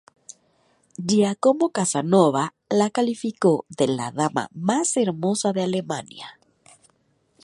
Giacomo Casanova la calificó de "la dama más hermosa de Alemania".